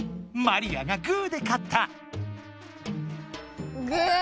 マリアが「グー」でかった！